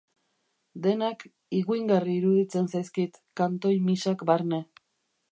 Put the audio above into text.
Denak higuingarri iruditzen zaizkit, kantoi-missak barne.